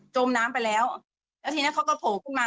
มน้ำไปแล้วแล้วทีนั้นเขาก็โผล่ขึ้นมา